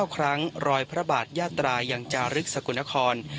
๙ครั้งรอยพระบาทยาตรายังจารึกสกลนคร